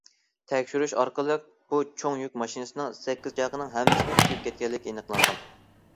تەكشۈرۈش ئارقىلىق بۇ چوڭ يۈك ماشىنىسىنىڭ سەككىز چاقىنىڭ ھەممىسىنىڭ كۆيۈپ كەتكەنلىكى ئېنىقلانغان.